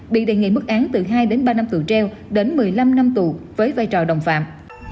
bị đề nghị mức án từ hai đến ba năm tù treo đến một mươi năm năm tù với vai trò đồng phạm